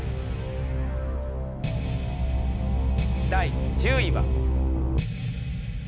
第１０位は。